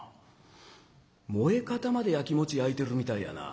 「燃え方までやきもちやいてるみたいやな。